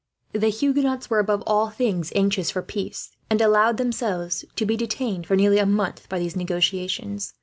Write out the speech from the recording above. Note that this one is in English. The Huguenots were, above all things, anxious for peace; and allowed themselves to be detained, for nearly a month, by these negotiations.